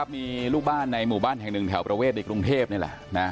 มีลูกบ้านในหมู่บ้านแห่งหนึ่งแถวประเวทในกรุงเทพนี่แหละ